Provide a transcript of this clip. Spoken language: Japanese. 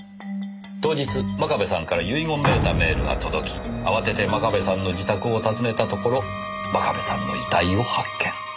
当日真壁さんから遺言めいたメールが届き慌てて真壁さんの自宅を訪ねたところ真壁さんの遺体を発見。